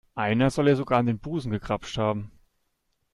Einer soll ihr sogar an den Busen gegrapscht haben.